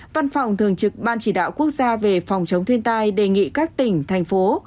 văn phòng thường trực ban chỉ đạo quốc gia về phòng chống thiên tai đề nghị các tỉnh thành phố